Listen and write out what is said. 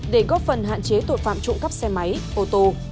để góp phần hạn chế tội phạm trộm cắp xe máy ô tô